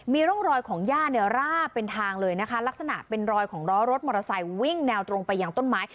มีร่องรอยของย่าเนี่ยร่าเป็นทางเลยนะคะลักษณะเป็นรอยของล้อรถมอเตอร์ไซค์วิ่งแนวตรงไปยังต้นไม้